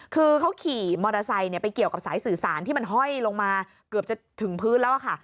คือเขาขี่มอเตอร์ไซค์ไปเกี่ยวกับสายสื่อสารที่มันห้อยลงมาเกือบจะถึงพื้นแล้วค่ะ